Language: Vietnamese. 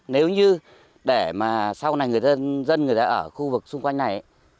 nếu như để mà sau này người dân ở khu vực xung quanh này